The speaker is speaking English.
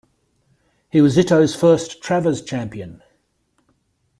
He was Zito's first Travers champion.